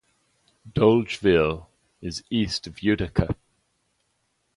Dolgeville is east of Utica.